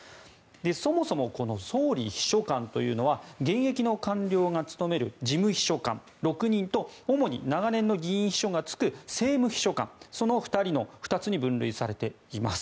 そもそもこの総理秘書官というのは現役の官僚が務める事務秘書官６人と主に長年の議員秘書が就く政務秘書官２人のその２つに分類されています。